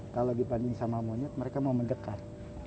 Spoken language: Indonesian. kalau dibanding sama monyet mereka mau mendekat